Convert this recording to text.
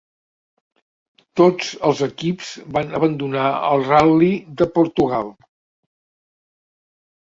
Tots els equips van abandonar el Ral·li de Portugal.